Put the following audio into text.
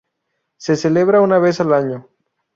Se celebra una vez al año.